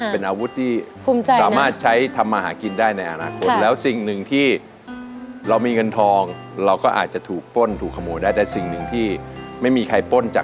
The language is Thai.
ภูมิใจกับทั้งคู่ด้วยนะคะเพราะฉะนั้นเข้าสู่เกมกัน